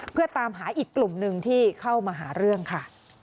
เพื่อตามหาอีกกลุ่มหนึ่งที่เข้ามาหาเรื่องค่ะ